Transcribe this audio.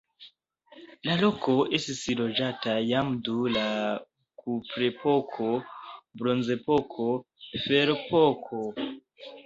La loko estis loĝata jam dum la kuprepoko, bronzepoko, ferepoko.